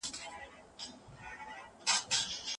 خصوصي سکتور نوي کاري فرصتونه برابر کړل.